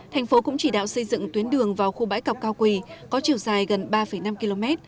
thành phố cũng chỉ đạo xây dựng tuyến đường vào khu bãi cọc cao quỳ có chiều dài gần ba năm km